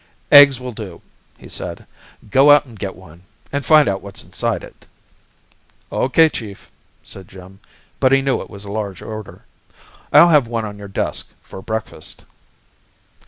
"Eggs will do!" he said. "Go out and get one and find out what's inside it." "Okay, Chief," said Jim, but he knew it was a large order. "I'll have one on your desk for breakfast!"